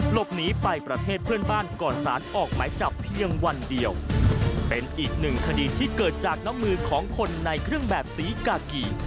หลบหนีไปประเทศเพื่อนบ้านก่อนสารออกหมายจับเพียงวันเดียวเป็นอีกหนึ่งคดีที่เกิดจากน้ำมือของคนในเครื่องแบบสีกากี